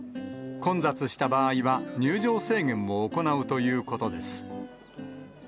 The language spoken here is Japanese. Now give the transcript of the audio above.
混雑した場合は、入場制限も行うということです。